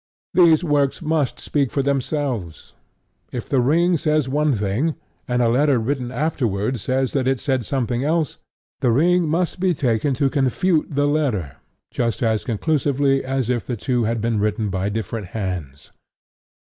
These works must speak for themselves: if The Ring says one thing, and a letter written afterwards says that it said something else, The Ring must be taken to confute the letter just as conclusively as if the two had been written by different hands.